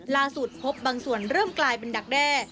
พบบางส่วนเริ่มกลายเป็นดักแด้